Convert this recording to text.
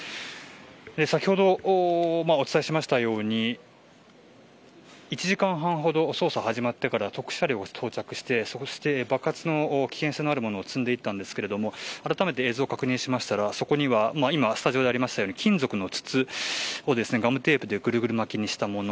先ほどお伝えしましたように１時間半ほど捜査始まってから特殊車両が到着して爆発の危険性のある物を積んでいったんですけれど改めて映像を確認しましたらそこには今スタジオでありましたように金属の筒をガムテープでぐるぐる巻きにしたもの。